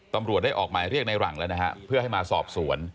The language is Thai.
ตำรวจได้ออกหมายเรียกในหลังแล้วนะฮะเพื่อให้มาสอบสวน